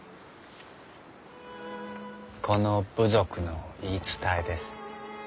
この部族の言い伝えです。